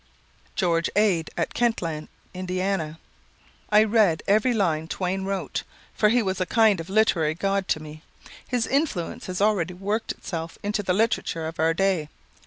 George Ade, at Kentland, Ind: "I read every line Twain wrote, for he was a kind of literary god to me. His influence has already worked itself into the literature of our day.